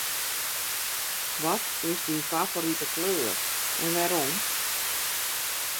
Wat is dyn favorite kleur en wêrom?